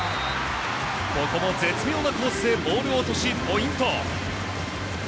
ここも絶妙なコースでボールを落としポイント。